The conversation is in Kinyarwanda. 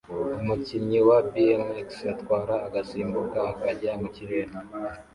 Umukinnyi wa bmx atwara agasimbuka akajya mu kirere